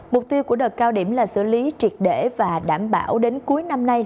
mục tiêu của đợt cao điểm là xử lý triệt để và đảm bảo đến cuối năm nay